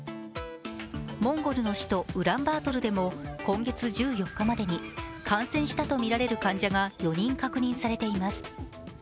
モンゴルの首都・ウランバートルでも今月１４日までに感染したとみられる患者が４人確認されています。